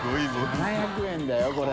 ７００円だよこれ。